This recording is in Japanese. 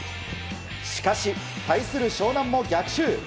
しかし、対する湘南も逆襲。